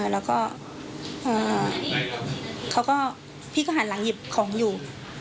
แล้วก็เขาก็พี่ก็หันหลังหยิบของอยู่